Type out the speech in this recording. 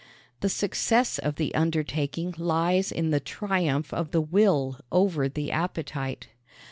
The success of the undertaking lies in the triumph of the will over the appetite.